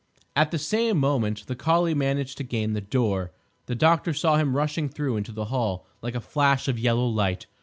At the same moment the collie managed to gain the door. The doctor saw him rush through into the hall like a flash of yellow light.